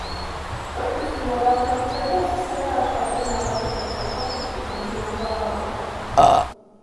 Կրթությունն ավարտելուց հետո սկսել է աշխատել նախադպրոցական կրթության բնագավառում։